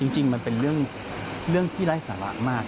จริงมันเป็นเรื่องที่ไร้สาระมาก